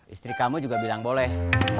istri kamu juga bilang boleh